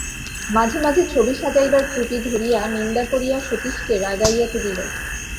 মাঝে মাঝে ছবি সাজাইবার ত্রুটি ধরিয়া নিন্দা করিয়া সতীশকে রাগাইয়া তুলিল।